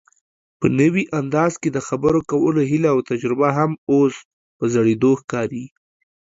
په نوي انداز کې دخبرو کولو هيله اوتجربه هم اوس په زړېدو ښکاري